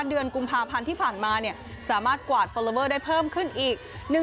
เดือนกุมภาพันธ์ที่ผ่านมาสามารถกวาดฟอลลอเบอร์ได้เพิ่มขึ้นอีก